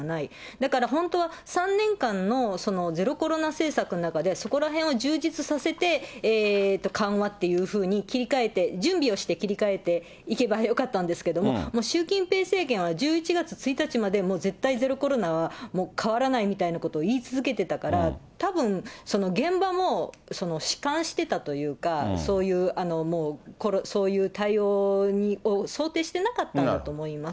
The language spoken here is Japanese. だから本当は３年間のゼロコロナ政策の中で、そこらへんを充実させて緩和っていうふうに切り替えて、準備をして切り替えていけばよかったんですけども、習近平政権は、１１月１日まで、絶対ゼロコロナは変わらないみたいなことを言い続けてたから、たぶん、現場も弛緩してたというか、そういうもう対応を想定してなかったんだと思います。